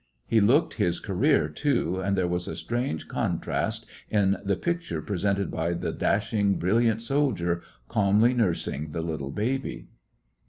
He looked his career, too, and there was a strange con trast in the picture presented by the dash ing, brilliant soldier calmly nursing the little baby.